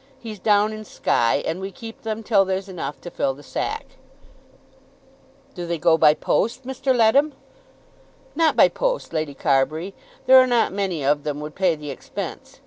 He's down in Skye, and we keep them till there's enough to fill the sack." "Do they go by post, Mr. Leadham?" "Not by post, Lady Carbury. There are not many of them would pay the expense.